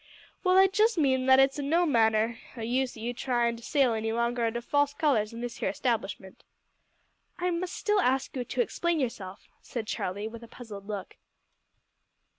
"Well, I just mean that it's o' no manner o' use your tryin' to sail any longer under false colours in this here establishment." "I must still ask you to explain yourself," said Charlie, with a puzzled look.